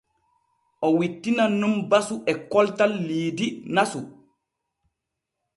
O wittinan nun basu e koltal liidi nasu.